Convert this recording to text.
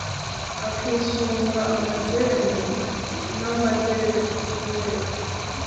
Akisunga amadeni n’amadekuveri,